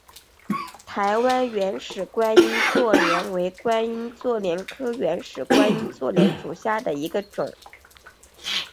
台湾原始观音座莲为观音座莲科原始观音座莲属下的一个种。